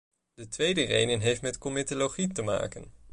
De tweede reden heeft met comitologie te maken.